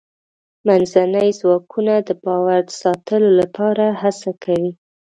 منځني ځواکونه د باور د ساتلو لپاره هڅه کوي.